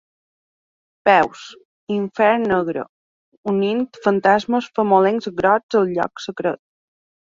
Peus: infern negre, unint fantasmes famolencs grocs al lloc secret.